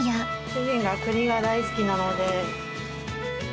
主人が栗が大好きなので。